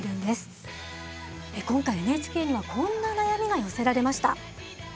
今回ＮＨＫにはこんな悩みが寄せられました。